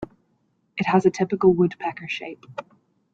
It has a typical woodpecker shape.